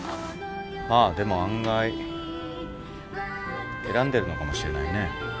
まあでも案外選んでるのかもしれないね。